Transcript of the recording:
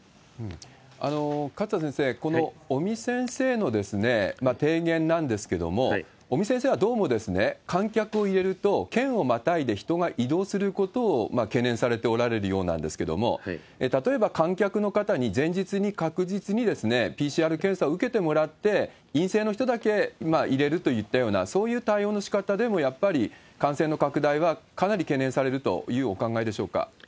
勝田先生、この尾身先生の提言なんですけれども、尾身先生はどうも、観客を入れると、県をまたいで人が移動することを懸念されておられるようなんですけれども、例えば観客の方に前日に確実にＰＣＲ検査を受けてもらって、陰性の人だけ入れるといったような、そういう対応のしかたでもやっぱり感染の拡大はかなり懸念されるというお考えでしょうか。